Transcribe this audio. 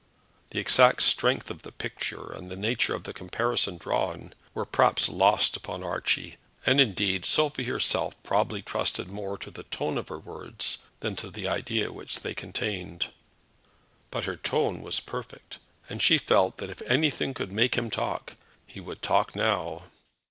The exact strength of the picture, and the nature of the comparison drawn, were perhaps lost upon Archie; and indeed, Sophie herself probably trusted more to the tone of her words, than to any idea which they contained; but their tone was perfect, and she felt that if anything could make him talk, he would talk now.